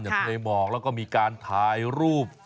เดินทะเลมอกแล้วก็มีการถ่ายรูป